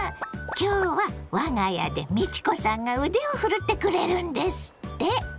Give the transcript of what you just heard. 今日は我が家で美智子さんが腕を振るってくれるんですって。